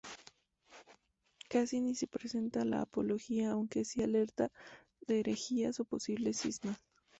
Casi ni se presenta la apología aunque sí alerta de herejías o posibles cismas.